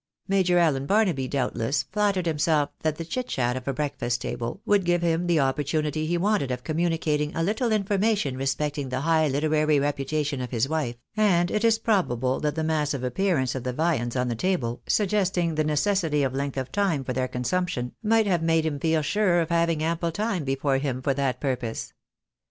Major Allen Barnaby, doubtless, flattered himself that the chit chat of a breakfast table would give him the opportunity he wanted of communicating a little information respecting the high literary reputation of his wife, and it is probable that the massive appearance of the viands on the table, suggesting the necessity of length of time for their consumption, might have made him feel sure of having ample time before him for that purpose.